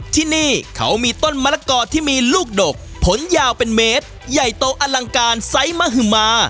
ที่นี่เขามีต้นมะละกอที่มีลูกดกผลยาวเป็นเมตรใหญ่โตอลังการไซส์มหึมา